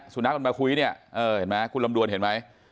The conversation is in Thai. สุนัขมันมาคุยเนี่ยเออเห็นไหมคุณลำดวนเห็นไหม